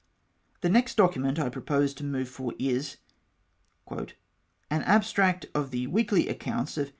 '"The next document I propose to move for is — "An abstract of the weekly accounts of H.